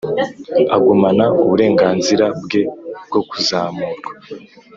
Agumana uburenganzira bwe bwo kuzamurwa